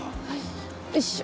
おいしょ。